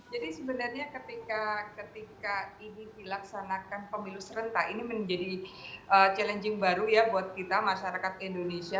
jadi sebenarnya ketika ini dilaksanakan pemilu serentak ini menjadi challenging baru ya buat kita masyarakat indonesia